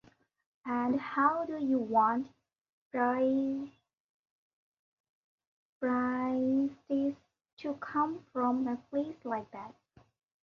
And how do you want priests to come from a place like that?